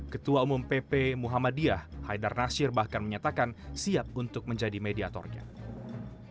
ketua umum pp muhammadiyah haidar nasir bahkan menyatakan siap untuk menjadi mediatornya